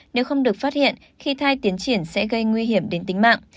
nếu không được phát hiện khi thai tiến triển sẽ gây nguy hiểm đến tính mạng